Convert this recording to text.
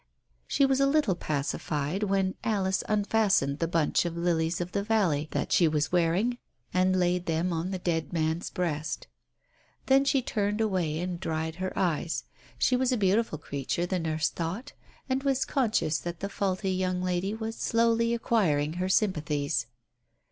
... She was a little pacified when Alice unfastened the bunch of lilies of the valley that she was wearing, and Digitized by Google THE TELEGRAM 31 laid them on the dead man's breast. Then she turned away and dried her eyes. She was a beautiful creature, the nurse thought, and was conscious that the faulty young lady was slowly acquiring her sympathies.